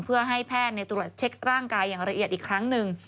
เพื่อให้แพทย์ตรวจเช็คร่างกายอย่างละเอียดอีกครั้งหนึ่ง